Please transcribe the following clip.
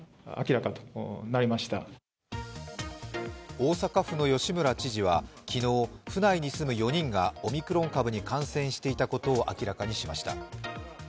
大阪府の吉村知事は昨日、府内に住む４人がオミクロン株に感染していたことを明らかにしました。